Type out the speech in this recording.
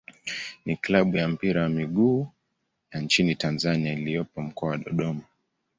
ni klabu ya mpira wa miguu ya nchini Tanzania iliyopo Mkoa wa Dodoma.